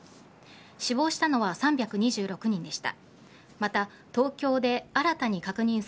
死亡したのは３２６人でした。